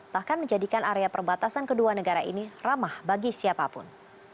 bahkan menjadikan area perbatasan kedua negara ini ramah bagi siapapun